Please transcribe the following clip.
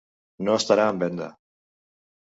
No estarà en venda.